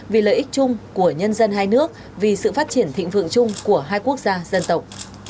vì lợi ích chung của nhân dân hai nước vì sự phát triển thịnh vượng chung của hai quốc gia dân tộc